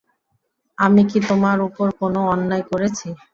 আমি কী তোমার উপর কোনো অন্যায় করেছি।